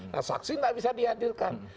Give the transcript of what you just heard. nah saksi tidak bisa dihadirkan